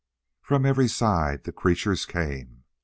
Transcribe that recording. From every side the creatures came.